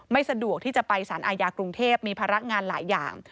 สะดวกที่จะไปสารอาญากรุงเทพมีภาระงานหลายอย่าง